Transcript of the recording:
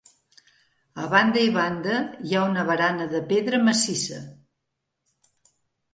A banda i banda hi ha una barana de pedra massissa.